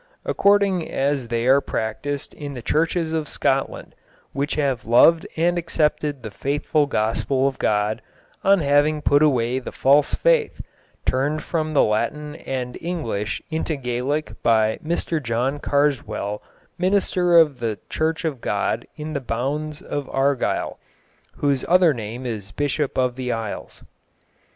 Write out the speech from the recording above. According as they are practised in the churches of Scotland which have loved and accepted the faithful gospel of God, on having put away the false faith, turned from the Latin and English into Gaelic by Mr John Carswell Minister of the Church of God in the bounds of Argyll, whose other name is Bishop of the Isles.